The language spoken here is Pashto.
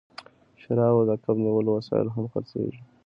شراب او د کب نیولو وسایل هم خرڅیږي